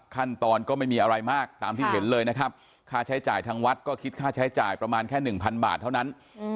ขั้นตอนก็ไม่มีอะไรมากตามที่เห็นเลยนะครับค่าใช้จ่ายทางวัดก็คิดค่าใช้จ่ายประมาณแค่๑๐๐บาทเท่านั้น